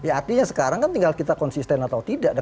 artinya sekarang kan tinggal kita konsisten atau tidak